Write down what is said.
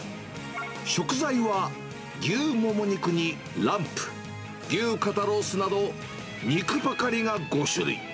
食材は牛モモ肉にランプ、牛肩ロースなど、肉ばかりが５種類。